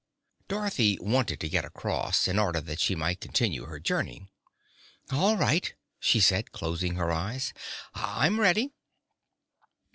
Dorothy wanted to get across, in order that she might continue her journey. "All right," she said, closing her eyes; "I'm ready."